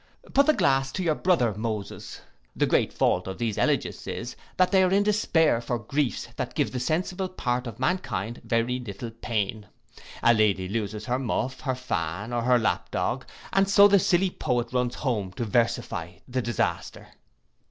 Put the glass to your brother, Moses.—The great fault of these elegiasts is, that they are in despair for griefs that give the sensible part of mankind very little pain. A lady loses her muff, her fan, or her lap dog, and so the silly poet runs home to versify the disaster.